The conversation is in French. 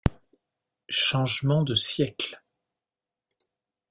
Changement de siècle.